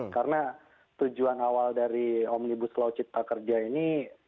karena tujuan awal dari omnibus law cipta kerja ini